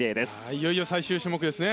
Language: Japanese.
いよいよ最終種目ですね。